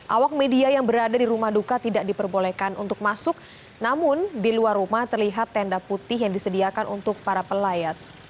awak media yang berada di rumah duka tidak diperbolehkan untuk masuk namun di luar rumah terlihat tenda putih yang disediakan untuk para pelayat